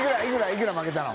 いくら負けたの？